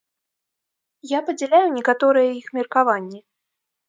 Я падзяляю некаторыя іх меркаванні.